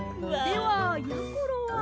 ではやころは。